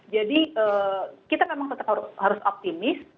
jadi kita memang tetap harus optimis